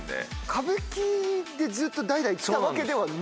歌舞伎でずっと代々きたわけではない？